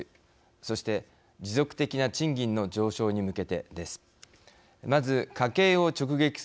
そして、持続的な賃金の上昇に向けてです。